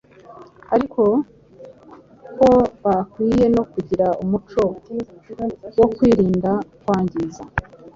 ariko ko bakwiye no kugira umuco wo kwirinda kwangiza